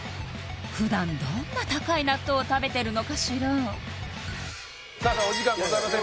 普段どんな高い納豆を食べてるのかしらさあさあお時間ございません